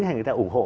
hay người ta ủng hộ